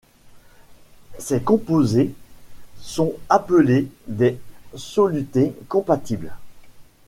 Ces composés sont appelés des solutés compatibles.